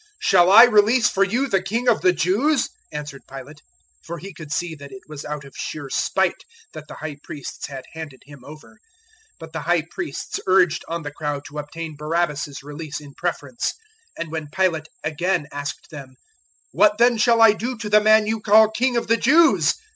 015:009 "Shall I release for you the King of the Jews?" answered Pilate. 015:010 For he could see that it was out of sheer spite that the High Priests had handed Him over. 015:011 But the High Priests urged on the crowd to obtain Barabbas's release in preference; 015:012 and when Pilate again asked them, "What then shall I do to the man you call King of the Jews?"